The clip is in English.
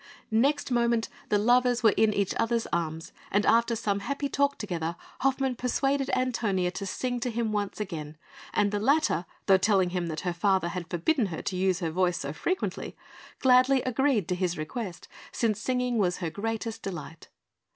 Next moment, the lovers were in each other's arms; and after some happy talk together, Hoffmann persuaded Antonia to sing to him once again, and the latter, though telling him that her father had forbidden her to use her voice so frequently, gladly agreed to his request, since singing was her greatest delight.